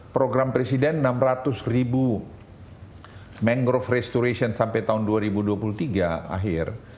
program presiden enam ratus ribu mangrove restoration sampai tahun dua ribu dua puluh tiga akhir